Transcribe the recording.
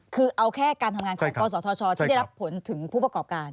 คือเอาแค่การทำงานของกศธชที่ได้รับผลถึงผู้ประกอบการ